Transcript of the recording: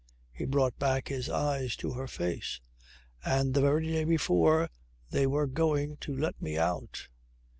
He brought back his eyes to her face. "And the very day before they were going to let me out."